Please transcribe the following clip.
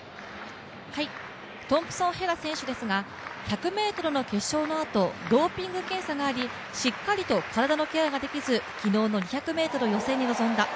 トンプソン・ヘラ選手ですが１００ｍの決勝のあとドーピング検査がありしっかりと体のケアができず、昨日の２００ｍ予選に臨んだ。